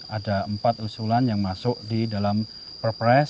ada empat usulan yang masuk di dalam perpres